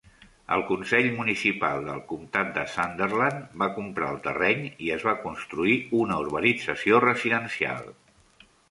El consell municipal del comptat de Sunderland va comprar el terreny i es va construir una urbanització residencial.